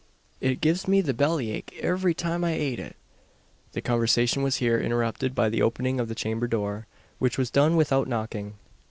It gives me the bellyache ivery time I ate it." The conversation was here interrupted by the opening of the chamber door; which was done without knocking.